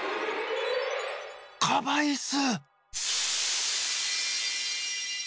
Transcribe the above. カバイス！